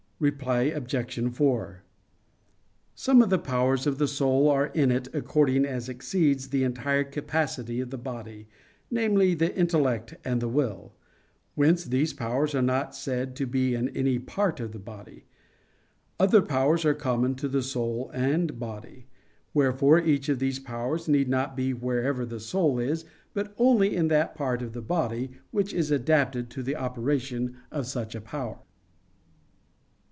Reply Obj. 4: Some of the powers of the soul are in it according as it exceeds the entire capacity of the body, namely the intellect and the will; whence these powers are not said to be in any part of the body. Other powers are common to the soul and body; wherefore each of these powers need not be wherever the soul is, but only in that part of the body, which is adapted to the operation of such a power.